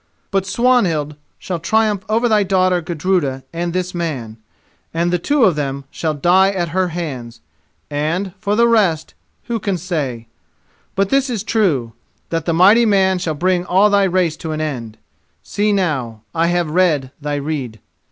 But Swanhild shall triumph over thy daughter Gudruda, and this man, and the two of them, shall die at her hands, and, for the rest, who can say? But this is true—that the mighty man shall bring all thy race to an end. See now, I have read thy rede."